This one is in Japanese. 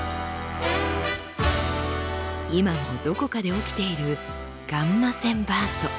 今もどこかで起きているガンマ線バースト。